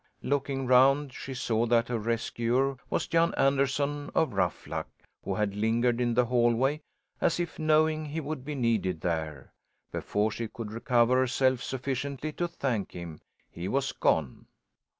Looking round she saw that her rescuer was Jan Anderson of Ruffluck, who had lingered in the hallway as if knowing he would be needed there. Before she could recover herself sufficiently to thank him, he was gone.